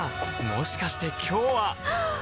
もしかして今日ははっ！